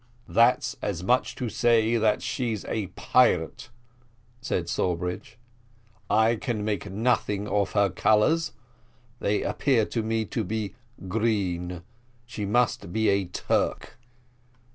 "That's as much as to say that she's a pirate," replied Sawbridge; "I can make nothing of her colours they appear to me to be green she must be a Turk.